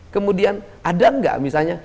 kemudian ada nggak misalnya